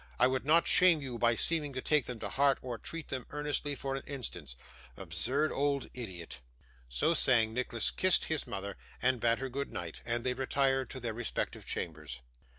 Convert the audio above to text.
I would not shame you by seeming to take them to heart, or treat them earnestly for an instant. Absurd old idiot!' So saying, Nicholas kissed his mother, and bade her good night, and they retired to their respective chambers.